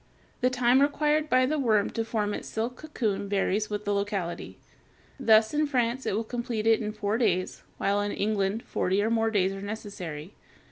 The time required by the worm to form its silk cocoon varies with the locality. Thus in France it will complete it in four days, while in England forty or more days are necessary.